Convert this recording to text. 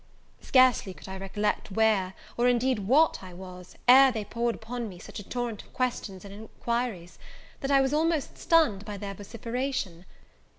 Scarcely could I recollect where, or indeed what, I was, ere they poured upon me such a torrent of questions and enquiries, that I was almost stunned by their vociferation.